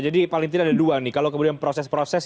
jadi paling tidak ada dua nih kalau kemudian proses proses